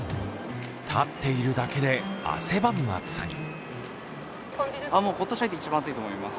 立っているだけで汗ばむ暑さに。